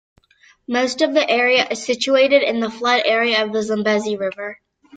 Most of the area is situated in the flood area of the Zambezi River.